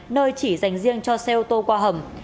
nơi chỉ dành riêng cho xe ô tô qua hầm